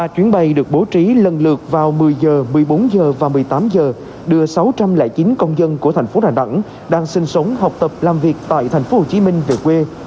ba chuyến bay được bố trí lần lượt vào một mươi h một mươi bốn h và một mươi tám h đưa sáu trăm linh chín công dân của thành phố đà nẵng đang sinh sống học tập làm việc tại thành phố hồ chí minh về quê